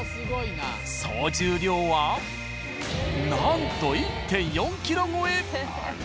総重量はなんと１．４ｋｇ超え！